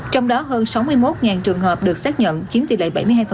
trong đó hơn sáu mươi một trường hợp được xác nhận chiếm tỷ lệ bảy mươi hai